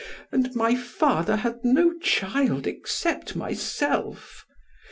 And my father had no child except myself.